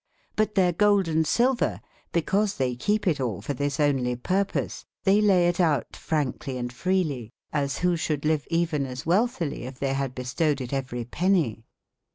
}UT. tbeir gold and silver, bycause tbey kepe it all for tbys only pur ^ pose, tbey laye it owte frankly and f rely : as wbo sbou Ide ly ve even as wealth/ ely, if tbey badde bestowed it every e pen/ ny e.